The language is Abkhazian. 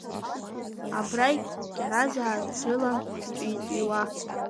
Абрагь кьаразаа дрылан дҵәиҵәиуа…